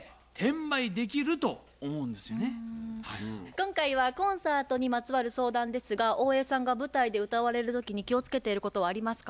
今回はコンサートにまつわる相談ですが大江さんが舞台で歌われる時に気をつけていることはありますか？